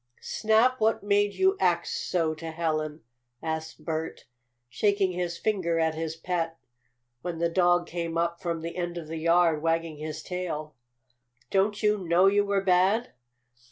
"Snap, what made you act so to Helen?" asked Bert, shaking his finger at his pet, when the dog came up from the end of the yard, wagging his tail. "Don't you know you were bad?"